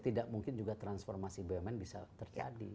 tidak mungkin juga transformasi bumn bisa terjadi